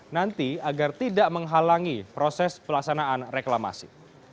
nanti agar tidak menghalangi proses pelaksanaan reklamasi